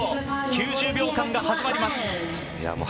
９０秒間が始まります。